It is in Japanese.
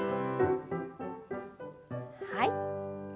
はい。